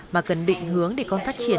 mà cần định hướng để con phát triển